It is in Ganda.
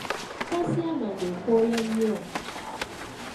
Ppaasi y'amanda ekooya nnyo.